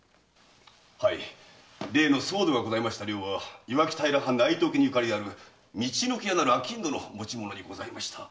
例の騒動がございました寮は磐城平藩内藤家に縁ある陸奥屋なる商人の持ち物にございました。